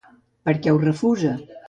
Per què ho refusa?